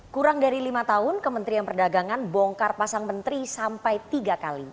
kurang dari lima tahun kementerian perdagangan bongkar pasang menteri sampai tiga kali